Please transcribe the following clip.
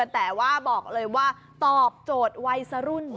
แต่ว่าบอกเลยว่าตอบโจทย์วัยสรุ่น